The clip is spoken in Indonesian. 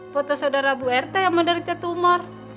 foto saudara bu rt yang menderita tumor